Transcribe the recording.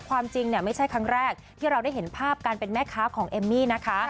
ความจริงเนี่ยไม่ใช่ครั้งแรกที่เราได้เห็นภาพการเป็นแม่ค้าของเอมมี่นะคะ